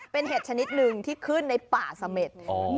เป็นเห็ดชนิดหนึ่งที่ขึ้นในป่าเสม็ด